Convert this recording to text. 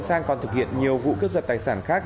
sang còn thực hiện nhiều vụ cướp giật tài sản khác